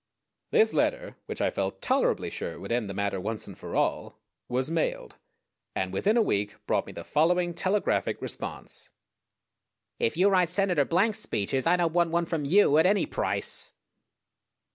This letter, which I felt tolerably sure would end the matter once and for all, was mailed, and within a week brought me the following telegraphic response: _If you write Senator Blank's speeches, I don't want one from you at any price.